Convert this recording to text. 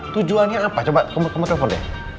tujuannya apa coba kamu telpon deh